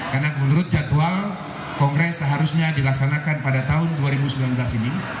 karena menurut jadwal kongres seharusnya dilaksanakan pada tahun dua ribu sembilan belas ini